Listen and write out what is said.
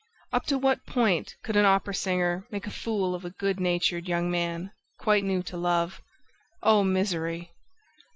Up to what point could an opera singer make a fool of a good natured young man, quite new to love? O misery!